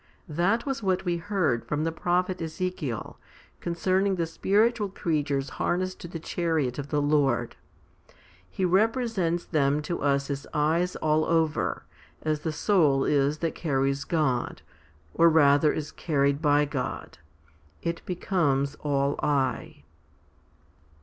That was what we heard from the prophet Ezekiel, concern ing the spiritual creatures harnessed to the chariot of the Lord. He represents them to us as eyes all over, as the soul is that carries God, or rather is carried by God ; it becomes all eye.